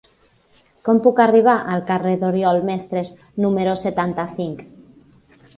Com puc arribar al carrer d'Oriol Mestres número setanta-cinc?